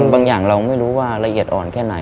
บางอย่างเราไม่รู้ว่าละเอียดอ่อนแค่ไหน